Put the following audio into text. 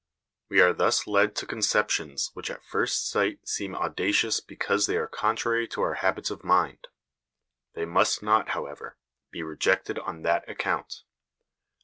We are thus led to conceptions which at first sight seem audacious because they are contrary to our habits of mind. They must not, however, be rejected on that account.